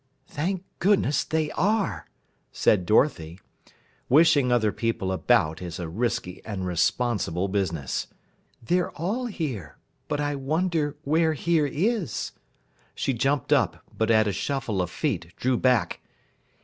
"Thank goodness, they are!" said Dorothy. Wishing other people about is a risky and responsible business. "They're all here, but I wonder where here is." She jumped up, but at a shuffle of feet drew back.